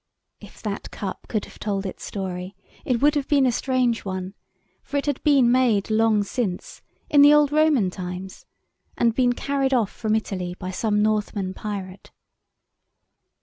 If that cup could have told its story, it would have been a strange one, for it had been made long since, in the old Roman times, and been carried off from Italy by some Northman pirate.